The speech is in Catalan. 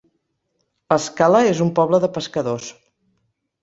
L'Escala és un poble de pescadors.